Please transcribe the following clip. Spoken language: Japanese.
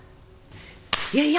いやいや。